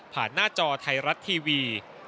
หน้าจอไทยรัฐทีวี